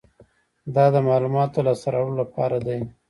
دا د معلوماتو د لاسته راوړلو لپاره دی.